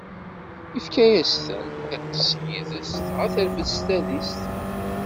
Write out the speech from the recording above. Ifka-as-ten, iṭṭeṣ yid-s, dɣa terfed s tadist.